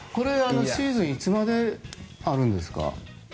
シーズンいつまであるんですか。